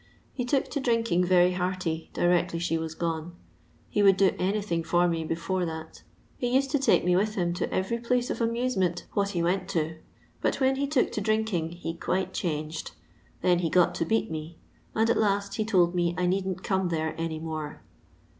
He took to drinking very hearty directly she was gone. He would do anything for me beforo that He used to take me with him to every pkoe of amusement what he went to, but when he took to drinking he quite changed ; then he got to beat me, and at last he told me I needn't come there any more.